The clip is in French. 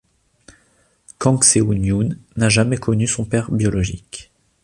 Kang Seung-yoon n'a jamais connu son père biologique.